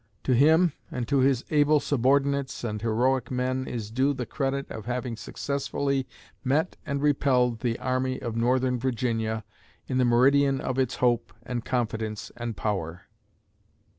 To him and to his able subordinates and heroic men is due the credit of having successfully met and repelled the Army of Northern Virginia in the meridian of its hope and confidence and power.